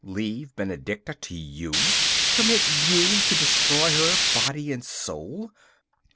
Leave Benedicta to you? permit you to destroy her body and her soul?